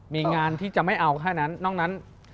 มีงานที่จะไม่เอาแค่นั้นนอกนั้น